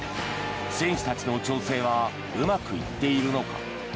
選手たちの調整はうまくいっているのか。